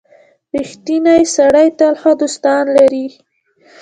• رښتینی سړی تل ښه دوستان لري.